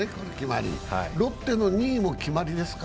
ロッテの２位も決まりですか。